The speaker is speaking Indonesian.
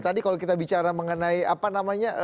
tadi kalau kita bicara mengenai apa namanya